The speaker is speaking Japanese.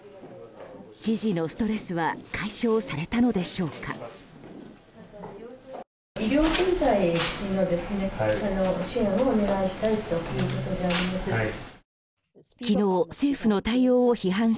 知事のストレスは解消されたのでしょうか。